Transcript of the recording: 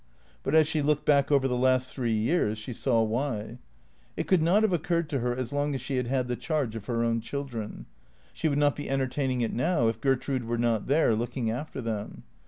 But as she looked back over the last three years she saw why. It could not have occurred to her as long as she had had the charge of her own children. She would not be entertaining it now if Ger trude were not there, looking after them.